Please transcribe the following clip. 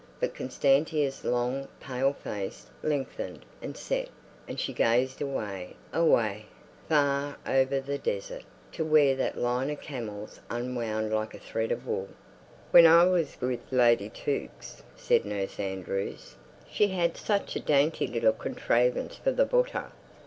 But Constantia's long, pale face lengthened and set, and she gazed away—away—far over the desert, to where that line of camels unwound like a thread of wool.... "When I was with Lady Tukes," said Nurse Andrews, "she had such a dainty little contrayvance for the buttah.